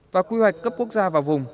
và quy hoạch cấp quốc gia vào vùng